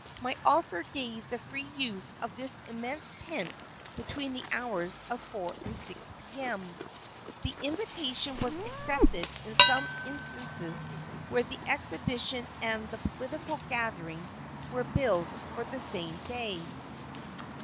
My offer gave the free use of this immense tent between the hours of 4 and 6 P.M. The invitation was accepted in some instances where the exhibition and the political gathering were billed for the same day.